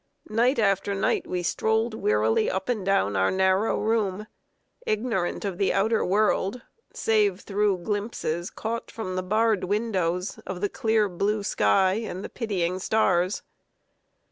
Night after night we strolled wearily up and down our narrow room, ignorant of the outer world, save through glimpses, caught from the barred windows, of the clear blue sky and the pitying stars.